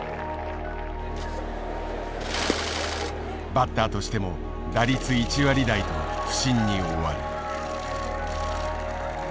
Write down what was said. バッターとしても打率１割台と不振に終わる。